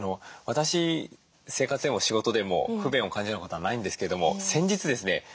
私生活でも仕事でも不便を感じることはないんですけども先日ですね